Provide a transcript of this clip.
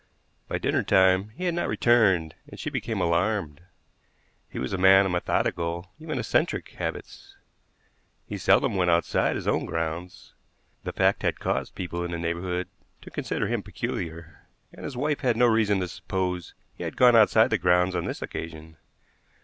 By dinner time he had not returned and she became alarmed. He was a man of methodical, even eccentric, habits; he seldom went outside his own grounds the fact had caused people in the neighborhood to consider him peculiar and his wife had no reason to suppose he had gone outside the grounds on this occasion.